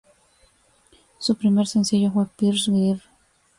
Su primer sencillo fue "Pearls Girl".